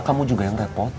kamu juga yang repot